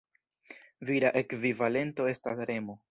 Vira ekvivalento estas Remo.